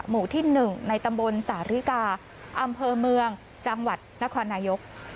หมู่ที่๑ในตำบลสาริกาอำเภอเมืองจังหวัดนครนายก